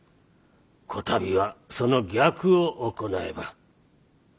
こたびはその逆を行えば。